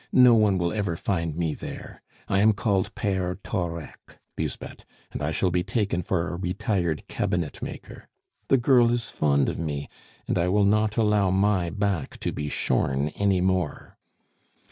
No one will ever find me there. I am called Pere Thorec, Lisbeth, and I shall be taken for a retired cabinet maker; the girl is fond of me, and I will not allow my back to be shorn any more."